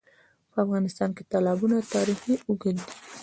په افغانستان کې د تالابونه تاریخ اوږد دی.